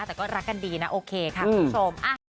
แต่ก็รักกันดีนะโอเคค่ะคุณผู้ชม